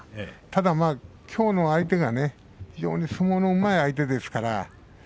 ただきょうの相手は、非常に相撲のうまい相手ですから。